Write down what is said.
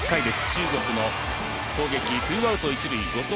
中国の攻撃、ツーアウト一塁、後藤。